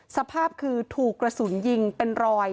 สภาพคือถูกกระสุนยิงเป็นรอย